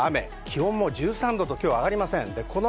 気温も１３度と上がりません。